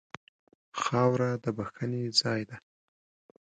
خاوره د بښنې ځای ده.